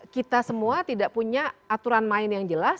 kita semua tidak punya aturan main yang jelas